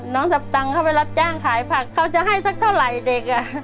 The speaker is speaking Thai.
สับตังค์เขาไปรับจ้างขายผักเขาจะให้สักเท่าไหร่เด็ก